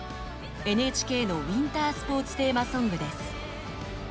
ＮＨＫのウィンタースポーツテーマソングです。